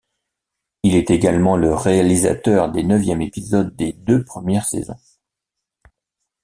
Il est également le réalisateur des neuvièmes épisodes des deux premières saisons.